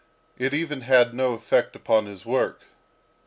It even had no effect upon his work.